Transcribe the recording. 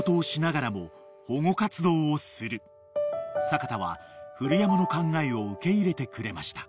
［阪田は古山の考えを受け入れてくれました］